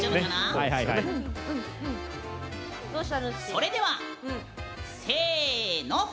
それではせの！